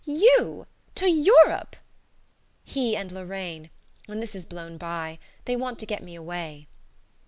"YOU! To EUROPE!" "He and Lorraine. When this is blown by. They want to get me away."